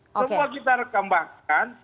semua kita rekambahkan